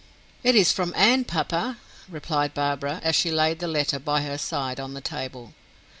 "It is from Anne, papa," replied Barbara, as she laid the letter by her side on the table.